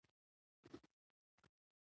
د افغانانو سرونه پر میدان ایښودل سوي.